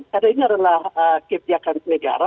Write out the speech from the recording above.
karena ini adalah kebijakan negara